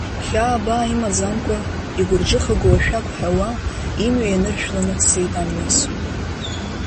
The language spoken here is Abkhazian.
Хьаа-баа имаӡамкәа, игәырҿыхагоу ашәак ҳәауа, имҩа ианыршәланы дцеит амҩасҩы.